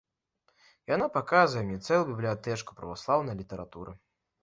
Яна паказвае мне цэлую бібліятэчку праваслаўнай літаратуры.